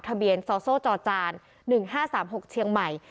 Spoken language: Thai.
ทะเบียนซอโซ่จอจาน๑๕๓๖เชียงใหม่